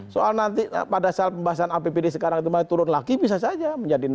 soal nanti pada saat pembebasan apbd sekarang itu turun lagi bisa saja menjadi enam puluh sembilan